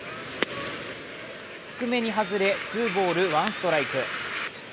低めに外れツーボール・ワンストライク。